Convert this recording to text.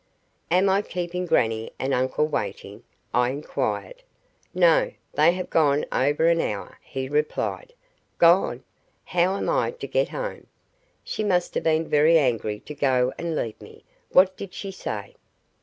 "Am I keeping grannie and uncle waiting?" I inquired. "No. They have gone over an hour," he replied. "Gone! How am I to get home? She must have been very angry to go and leave me. What did she say?"